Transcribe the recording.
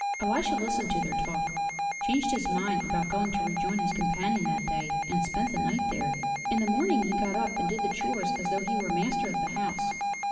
Elisha listened to their talk, changed his mind about going to rejoin his companion that day and spent the night there. In the morning he got up and did the chores as though he were master of the house.